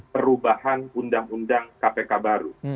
perubahan undang undang kpk baru